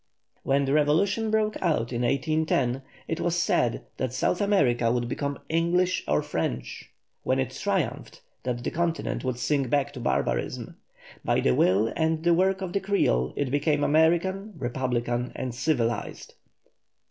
When the revolution broke out in 1810, it was said that South America would become English or French; when it triumphed, that the continent would sink back into barbarism. By the will and the work of the Creole, it became American, republican, and civilized.